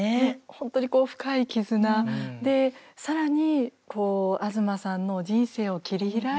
本当にこう深い絆で更に東さんの人生を切り開いてもくれて。